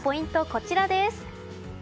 こちらです。